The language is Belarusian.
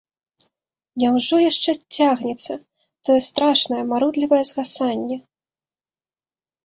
Няўжо яшчэ цягнецца тое страшнае марудлівае згасанне?